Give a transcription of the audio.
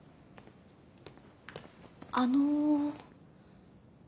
あの。